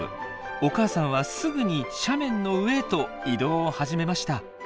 お母さんはすぐに斜面の上へと移動を始めました。